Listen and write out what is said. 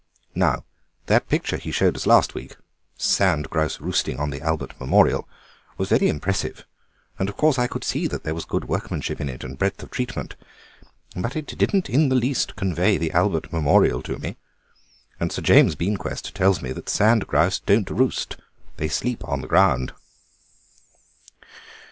Now that picture that he showed us last week, 'Sand grouse roosting on the Albert Memorial,' was very impressive, and of course I could see there was good workmanship in it and breadth of treatment; but it didn't in the least convey the Albert Memorial to me, and Sir James Beanquest tells me that sand grouse don't roost, they sleep on the ground."